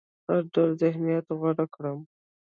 هر ډول ذهنيت غوره کړم.